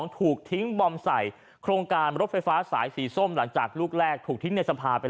ถูกทิ้งบอมใส่โครงการรถไฟฟ้าสายสีส้มหลังจากลูกแรกถูกทิ้งในสภาไป